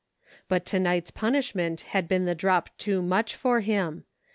But to night's punishment had been the drop too much for him.